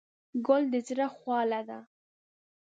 ګل د زړه خواله ده.